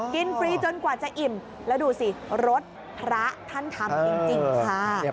ฟรีจนกว่าจะอิ่มแล้วดูสิรสพระท่านทำจริงค่ะ